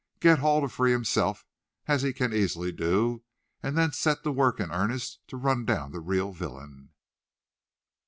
Get Hall to free himself, as he can easily do, and then set to work in earnest to run down the real villain."